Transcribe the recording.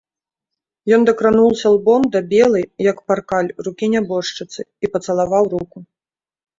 Ён дакрануўся лбом да белай, як паркаль, рукі нябожчыцы і пацалаваў руку.